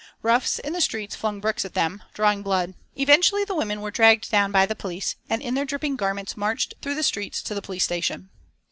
Roughs in the streets flung bricks at them, drawing blood. Eventually the women were dragged down by the police and in their dripping garments marched through the streets to the police station.